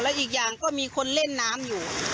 อีกอย่างก็มีคนเล่นน้ำอยู่